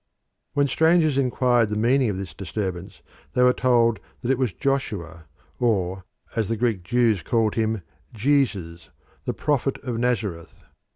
When strangers inquired the meaning of this disturbance they were told that it was Joshua or as the Greek Jews called him, Jesus the Prophet of Nazareth.